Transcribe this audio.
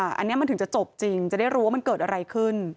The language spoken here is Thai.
อันนี้มันถึงจะจบจริงจะได้รู้ว่ามันเกิดอะไรขึ้น